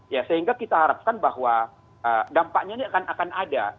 ya sehingga kita harapkan bahwa dampaknya ini akan ada